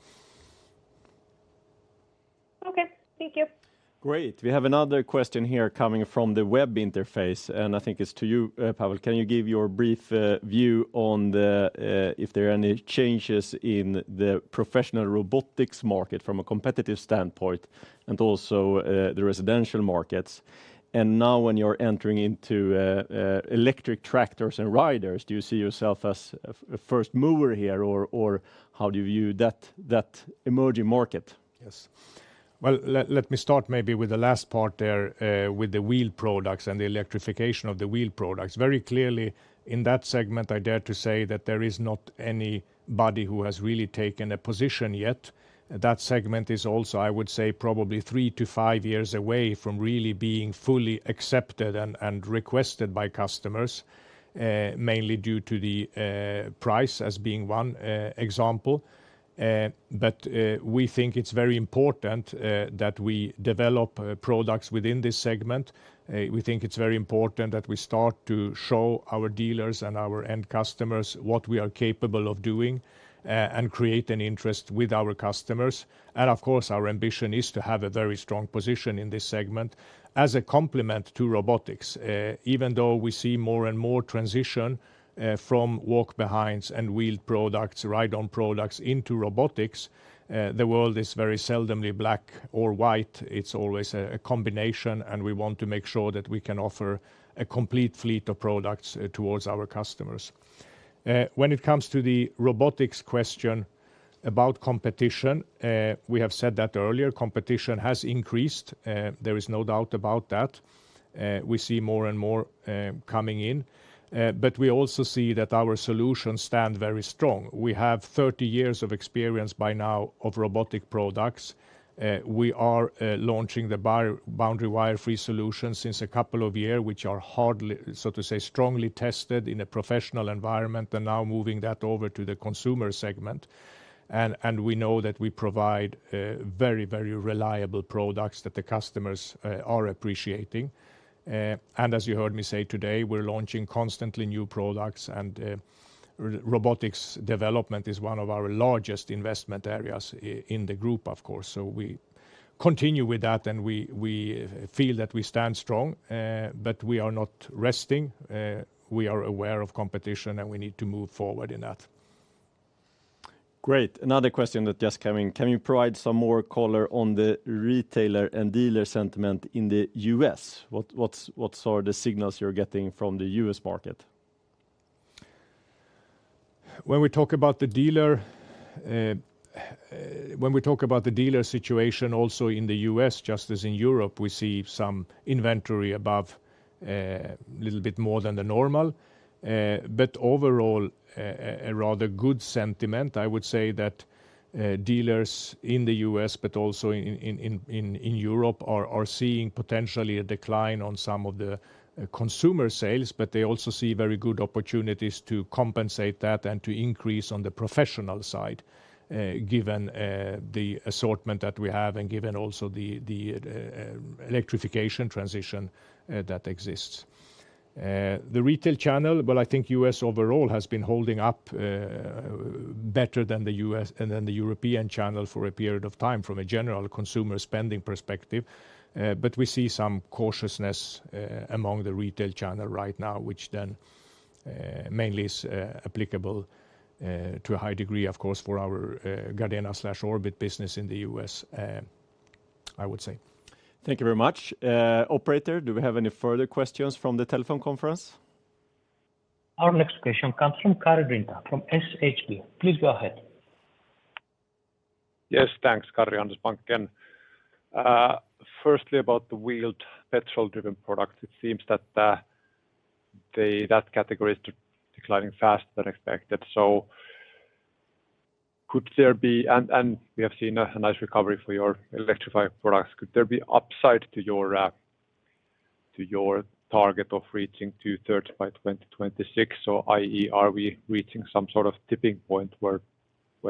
Okay, thank you. Great. We have another question here coming from the web interface, and I think it's to you, Pavel. Can you give your brief view on if there are any changes in the professional robotics market from a competitive standpoint, and also the residential markets? And now when you're entering into electric tractors and riders, do you see yourself as a first mover here, or how do you view that emerging market? Yes. Well, let me start maybe with the last part there, with the wheeled products and the electrification of the wheeled products. Very clearly, in that segment, I dare to say that there is not anybody who has really taken a position yet. That segment is also, I would say, probably three to five years away from really being fully accepted and requested by customers, mainly due to the price as being one example. But we think it's very important that we develop products within this segment. We think it's very important that we start to show our dealers and our end customers what we are capable of doing, and create an interest with our customers. And of course, our ambition is to have a very strong position in this segment as a complement to robotics. Even though we see more and more transition from walk-behinds and wheeled products, ride-on products into robotics, the world is very seldomly black or white. It's always a combination, and we want to make sure that we can offer a complete fleet of products towards our customers. When it comes to the robotics question about competition, we have said that earlier, competition has increased. There is no doubt about that. We see more and more coming in, but we also see that our solutions stand very strong. We have 30 years of experience by now of robotic products. We are launching the boundary wire free solution since a couple of year, which are hardly, so to say, strongly tested in a professional environment, and now moving that over to the consumer segment. We know that we provide very, very reliable products that the customers are appreciating. And as you heard me say today, we're launching constantly new products, and robotics development is one of our largest investment areas in the group, of course. So we continue with that, and we feel that we stand strong, but we are not resting. We are aware of competition, and we need to move forward in that. Great. Another question that just came in: Can you provide some more color on the retailer and dealer sentiment in the U.S.? What are the signals you're getting from the U.S. market? ... When we talk about the dealer situation also in the US, just as in Europe, we see some inventory above a little bit more than the normal. But overall, a rather good sentiment. I would say that dealers in the US, but also in Europe are seeing potentially a decline on some of the consumer sales, but they also see very good opportunities to compensate that and to increase on the professional side, given the assortment that we have and given also the electrification transition that exists. The retail channel, well, I think US overall has been holding up better than the US and then the European channel for a period of time from a general consumer spending perspective. But we see some cautiousness among the retail channel right now, which then mainly is applicable to a high degree, of course, for our GARDENA/Orbit business in the US, I would say. Thank you very much. Operator, do we have any further questions from the telephone conference? Our next question comes from Karri Rinta from SHB. Please go ahead. Yes, thanks, Karri, Handelsbanken, and firstly, about the wheeled petrol-driven product, it seems that that category is declining faster than expected. So could there be and we have seen a nice recovery for your electrified products. Could there be upside to your to your target of reaching two-thirds by 2026? So i.e., are we reaching some sort of tipping point where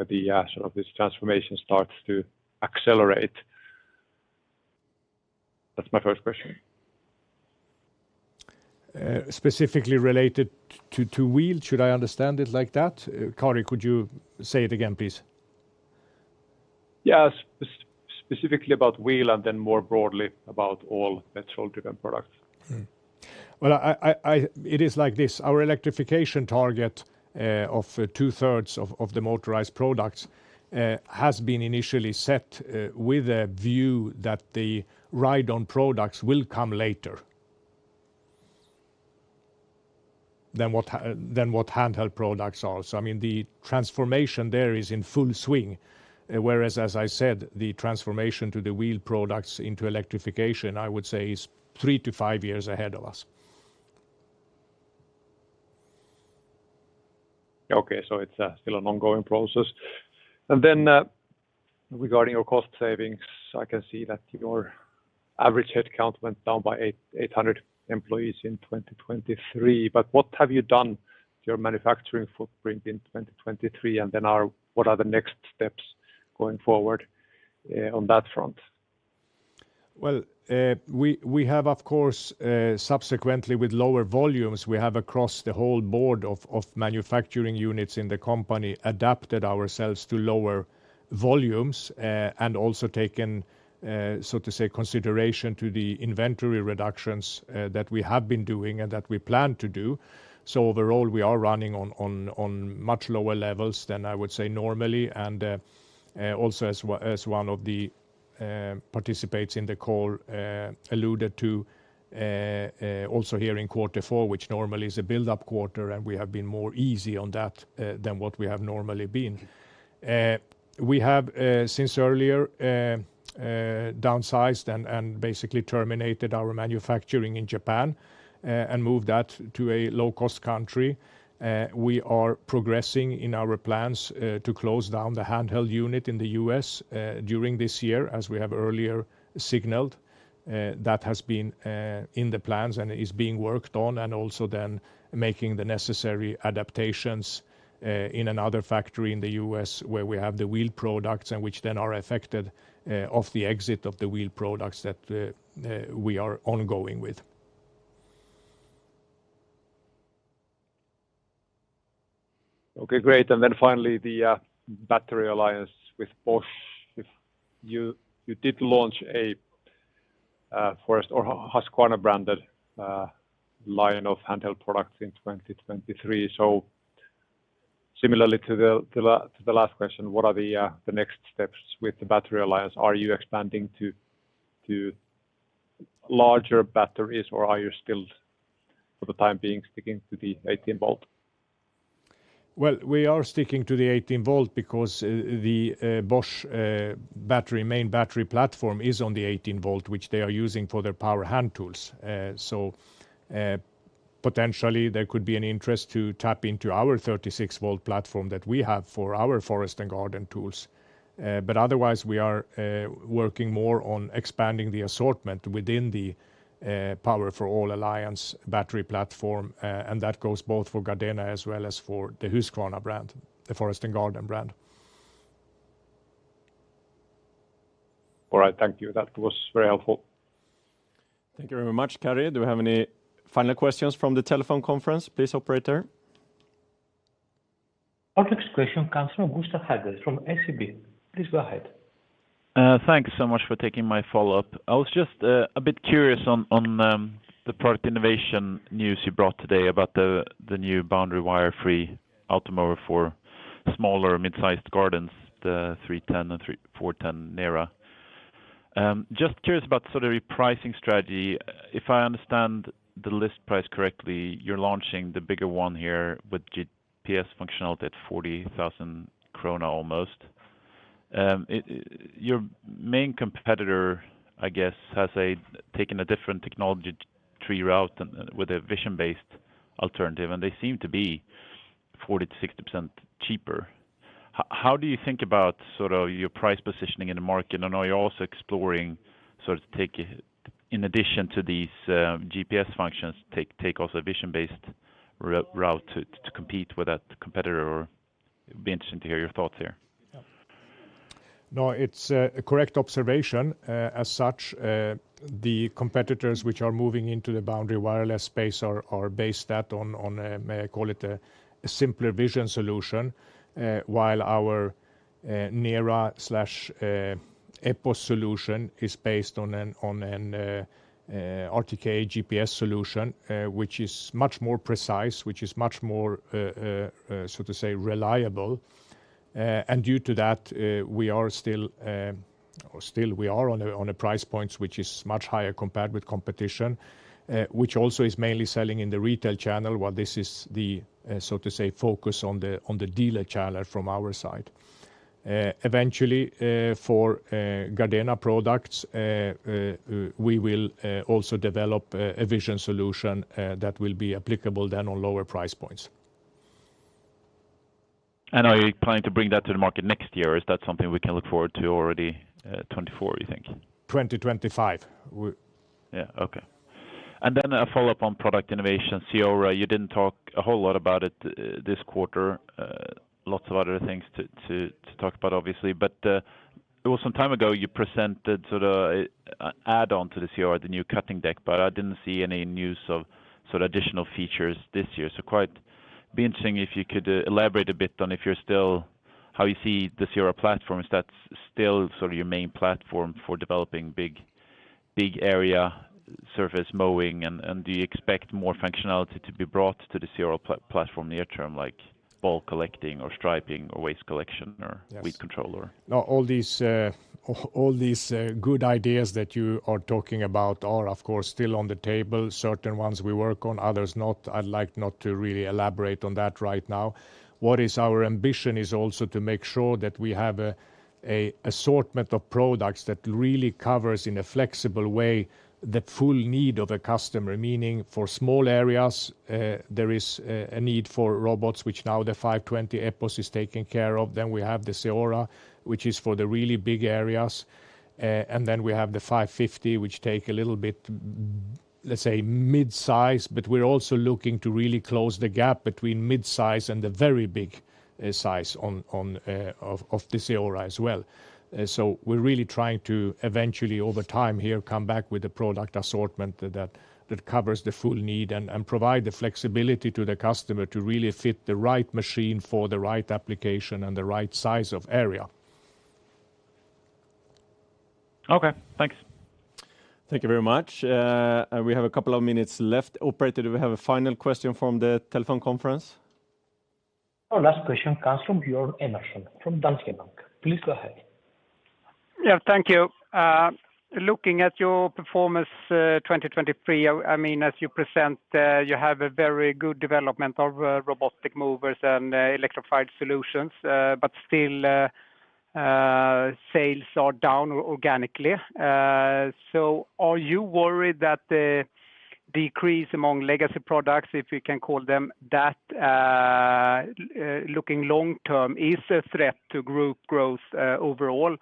this transformation starts to accelerate? That's my first question. Specifically related to wheeled, should I understand it like that? Karri, could you say it again, please? Yes, specifically about wheeled, and then more broadly about all petrol-driven products. Mm-hmm. Well, it is like this, our electrification target of two-thirds of the motorized products has been initially set with a view that the ride-on products will come later than what handheld products are. So, I mean, the transformation there is in full swing, whereas, as I said, the transformation to the wheeled products into electrification, I would say, is three to five years ahead of us. Okay, so it's still an ongoing process. And then, regarding your cost savings, I can see that your average headcount went down by 800 employees in 2023. But what have you done to your manufacturing footprint in 2023? And then what are the next steps going forward on that front? Well, we have, of course, subsequently, with lower volumes, we have across the whole board of manufacturing units in the company, adapted ourselves to lower volumes, and also taken, so to say, consideration to the inventory reductions that we have been doing and that we plan to do. So overall, we are running on much lower levels than I would say normally, and also as one of the participants in the call alluded to, also here in quarter four, which normally is a build-up quarter, and we have been more easy on that than what we have normally been. We have, since earlier, downsized and basically terminated our manufacturing in Japan, and moved that to a low-cost country. We are progressing in our plans to close down the handheld unit in the U.S. during this year, as we have earlier signaled. That has been in the plans and is being worked on, and also then making the necessary adaptations in another factory in the U.S., where we have the wheeled products and which then are affected of the exit of the wheeled products that we are ongoing with. Okay, great. And then finally, the battery alliance with Bosch. If you did launch a forest or Husqvarna-branded line of handheld products in 2023. So similarly to the last question, what are the next steps with the battery alliance? Are you expanding to larger batteries, or are you still, for the time being, sticking to the 18-volt? Well, we are sticking to the 18 V because the Bosch battery main battery platform is on the 18 volt, which they are using for their power hand tools. So potentially, there could be an interest to tap into our 36 V platform that we have for our forest and garden tools. But otherwise, we are working more on expanding the assortment within the Power for All Alliance battery platform, and that goes both for GARDENA as well as for the Husqvarna brand, the forest and garden brand. All right. Thank you. That was very helpful. Thank you very much, Karri. Do we have any final questions from the telephone conference, please, operator? Our next question comes from Gustav Hagéus from SEB. Please go ahead. Thanks so much for taking my follow-up. I was just a bit curious on the product innovation news you brought today about the new boundary wire-free Automower for smaller mid-sized gardens, the 310 and 410 NERA. Just curious about sort of your pricing strategy. If I understand the list price correctly, you're launching the bigger one here with GPS functionality at almost SEK 40,000. It, your main competitor, I guess, has taken a different technology tree route and with a vision-based alternative, and they seem to be 40%-60% cheaper. How do you think about sort of your price positioning in the market? I know you're also exploring, sort of, take it in addition to these GPS functions, take also a vision-based route to, to compete with that competitor, or it'd be interesting to hear your thoughts here. No, it's a correct observation. As such, the competitors which are moving into the boundary wireless space are based on a simpler vision solution. While our NERA/EPOS solution is based on an RTK GPS solution, which is much more precise, which is much more so to say, reliable. And due to that, we are still on a price point which is much higher compared with competition, which also is mainly selling in the retail channel, while this is the so to say, focus on the dealer channel from our side. Eventually, for GARDENA products, we will also develop a vision solution that will be applicable then on lower price points. Are you planning to bring that to the market next year, or is that something we can look forward to already, 2024, you think? 2025. Yeah, okay. And then a follow-up on product innovation. CEORA, you didn't talk a whole lot about it, this quarter. Lots of other things to talk about, obviously, but, it was some time ago, you presented sort of an add-on to the CEORA, the new cutting deck, but I didn't see any news of sort of additional features this year. So it'd be interesting if you could elaborate a bit on if you're still... How you see the CEORA platform, is that still sort of your main platform for developing big, big area surface mowing? And do you expect more functionality to be brought to the CEORA platform near term, like ball collecting or striping or waste collection or- Yes... weed control, or? No, all these, all these, good ideas that you are talking about are, of course, still on the table. Certain ones we work on, others not. I'd like not to really elaborate on that right now. What is our ambition is also to make sure that we have a, a assortment of products that really covers, in a flexible way, the full need of a customer. Meaning for small areas, there is a, a need for robots, which now the 520 EPOS is taken care of. Then we have the CEORA, which is for the really big areas. And then we have the 550, which take a little bit, let's say, midsize, but we're also looking to really close the gap between midsize and the very big, size on, on, of, of the CEORA as well. So we're really trying to eventually, over time here, come back with a product assortment that covers the full need and provide the flexibility to the customer to really fit the right machine for the right application and the right size of area. Okay, thanks. Thank you very much. We have a couple of minutes left. Operator, do we have a final question from the telephone conference? Our last question comes from Björn Enarson from Danske Bank. Please go ahead. Yeah, thank you. Looking at your performance, 2023, I mean, as you present, you have a very good development of robotic mowers and electrified solutions, but still, sales are down organically. So are you worried that the decrease among legacy products, if you can call them that, looking long term, is a threat to group growth, overall?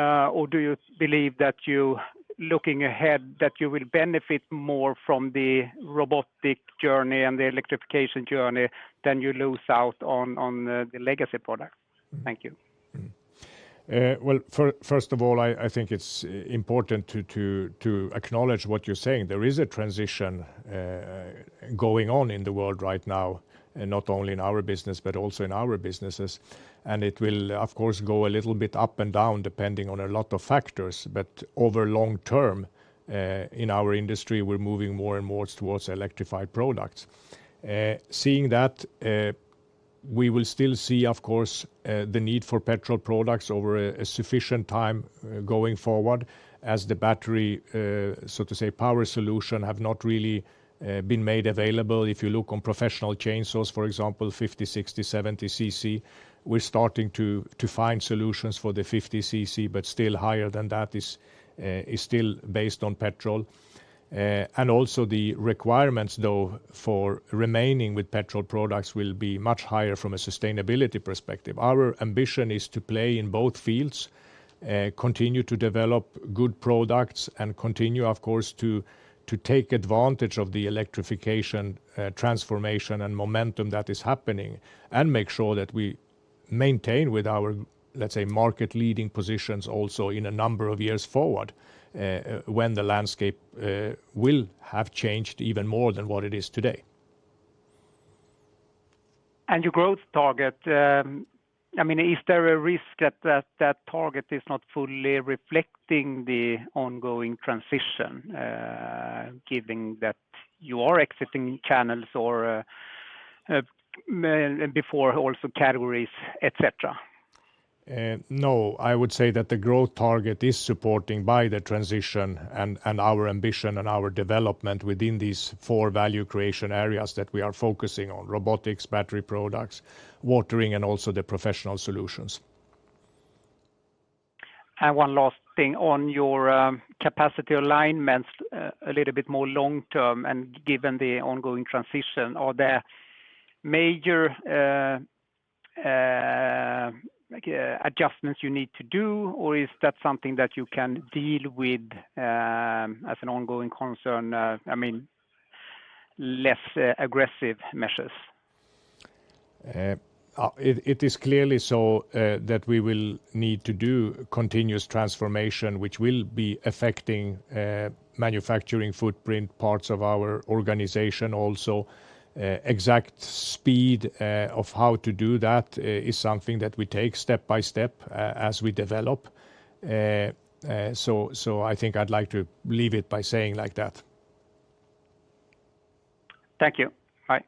Or do you believe that you, looking ahead, that you will benefit more from the robotic journey and the electrification journey than you lose out on, on the legacy products? Thank you. Well, first of all, I think it's important to acknowledge what you're saying. There is a transition going on in the world right now, and not only in our business, but also in our businesses. And it will, of course, go a little bit up and down, depending on a lot of factors. But over long term, in our industry, we're moving more and more towards electrified products. Seeing that, we will still see, of course, the need for petrol products over a sufficient time going forward, as the battery, so to say, power solution have not really been made available. If you look on professional chainsaws, for example, 50, 60, 70 cc, we're starting to find solutions for the 50 cc, but still higher than that is still based on petrol. And also the requirements, though, for remaining with petrol products will be much higher from a sustainability perspective. Our ambition is to play in both fields, continue to develop good products, and continue, of course, to take advantage of the electrification transformation and momentum that is happening, and make sure that we maintain with our, let's say, market-leading positions also in a number of years forward, when the landscape will have changed even more than what it is today. Your growth target, I mean, is there a risk that that target is not fully reflecting the ongoing transition, given that you are exiting channels or and before also categories, et cetera? No, I would say that the growth target is supporting by the transition and our ambition and our development within these four value creation areas that we are focusing on: robotics, battery products, watering, and also the professional solutions. One last thing. On your capacity alignments, a little bit more long term, and given the ongoing transition, are there major, like, adjustments you need to do? Or is that something that you can deal with, as an ongoing concern? I mean, less aggressive measures. It is clearly so that we will need to do continuous transformation, which will be affecting manufacturing footprint, parts of our organization also. Exact speed of how to do that is something that we take step by step as we develop. So I think I'd like to leave it by saying like that. Thank you. Bye.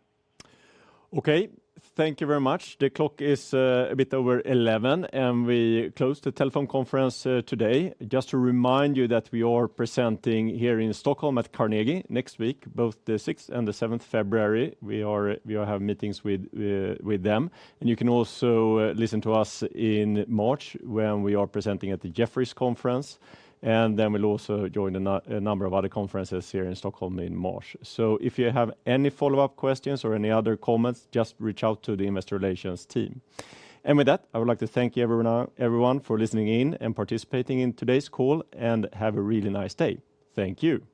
Okay. Thank you very much. The clock is a bit over 11, and we close the telephone conference today. Just to remind you that we are presenting here in Stockholm at Carnegie next week, both the sixth and the 7th February. We will have meetings with with them. And you can also listen to us in March, when we are presenting at the Jefferies conference, and then we'll also join a number of other conferences here in Stockholm in March. So if you have any follow-up questions or any other comments, just reach out to the investor relations team. And with that, I would like to thank everyone, everyone for listening in and participating in today's call, and have a really nice day. Thank you.